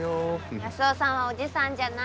安生さんはおじさんじゃない。